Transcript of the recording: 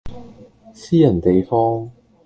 私人地方